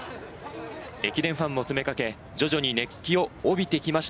駅伝ファンも詰めかけ、徐々に熱気を帯びてきました